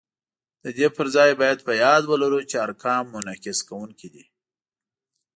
د دې پر ځای باید په یاد ولرو چې ارقام منعکس کوونکي دي